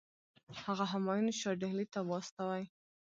هغه همایون شاه ډهلي ته واستوي.